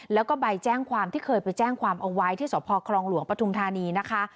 แล้วก็ใบแจ้งความที่เคยไปแจ้งความเอาไว้ที่สพครองหลวงปฐุมธานีนะคะ